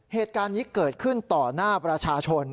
เหตุการณ์นี้เกิดขึ้นต่อหน้าประชาชน